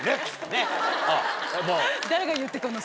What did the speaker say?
誰が言ってくんの？